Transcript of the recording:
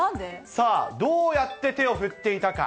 さあどうやって手を振っていたか。